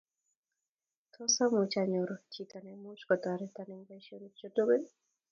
tos much anyoru chito ne mukutoreton eng' boisionik chu tugul?